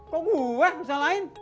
kok gue yang salahin